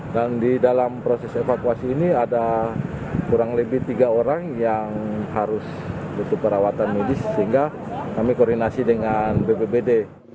dan di dalam proses evakuasi ini ada kurang lebih tiga orang yang harus butuh perawatan medis sehingga kami koordinasi dengan bpbd